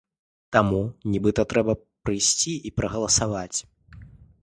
Таму, нібыта, трэба прыйсці і прагаласаваць.